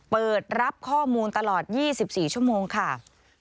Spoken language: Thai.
เปิดรับข้อมูลตลอด๒๔ชั่วโมงค่ะ